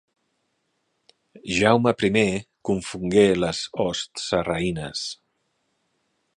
Jaume primer confongué les hosts sarraïnes.